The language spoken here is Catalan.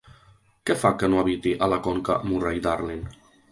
Què fa que no habiti a la conca Murray-Darling?